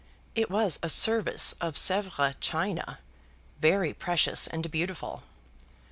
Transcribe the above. It was a service of Sèvres china, very precious and beautiful.